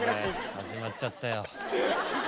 始まっちゃったよ。